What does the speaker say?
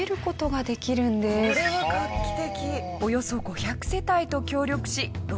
これは画期的。